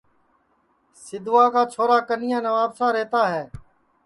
سیدھوا کا چھورا کنیا نوابشام رہتا ہے